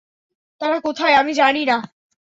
তারা কোথায় আমি জানি না।